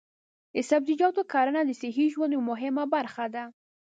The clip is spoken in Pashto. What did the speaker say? د سبزیجاتو کرنه د صحي ژوند یوه مهمه برخه ده.